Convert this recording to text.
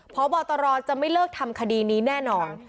พบตรจะไม่เลิกทำคดีนี้แน่นอน